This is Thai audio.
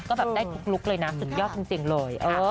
ก็ได้ลุคเลยนะสุดยอดจริงเลย